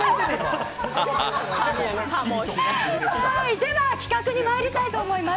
では企画にまいりたいと思います。